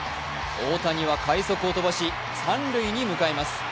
大谷は快足をとばし三塁に向かいます。